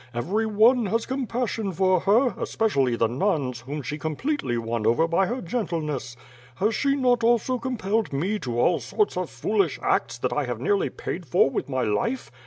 Every one has compassion for her, especially the nuns, whom she completely won over by her gentleness. Has she not also compelled me to all sorts of foolish acts that I have nearly paid for with my life.